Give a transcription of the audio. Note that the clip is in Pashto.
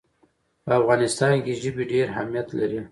په افغانستان کې ژبې ډېر اهمیت لري.